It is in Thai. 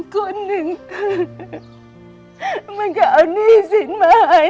คนหนึ่งมันก็เอาหนี้สินมาให้